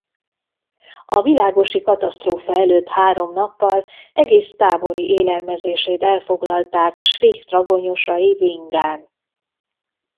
A világosi katasztrófa előtt három nappal egész tábori élelmezését elfoglalták Schlick dragonyosai Vingán.